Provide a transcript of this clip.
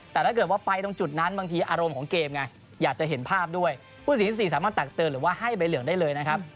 แต่ถ้าเกิดว่าไปตรงจุดนั้นบางทีอารมณ์ของเกมไงอยากจะเห็นภาพด้วยผู้สินที่๔สามารถตักเตือนหรือว่าให้ใบเหลืองได้เลยนะครับ